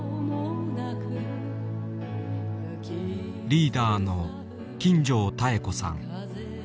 リーダーの金城妙子さん。